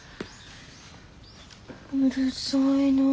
うるさいなぁ。